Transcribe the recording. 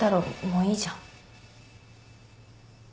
もういいじゃん。